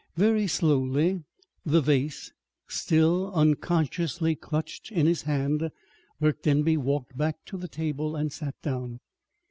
Very slowly, the vase still unconsciously clutched in his hand, Burke Denby walked back to the table and sat down.